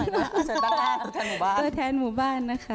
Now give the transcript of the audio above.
ด้วยแทนหมู่บ้านนะคะ